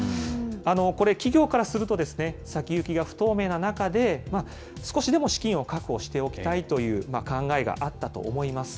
これ、企業からするとですね、先行きが不透明な中で、少しでも資金を確保しておきたいという考えがあったと思います。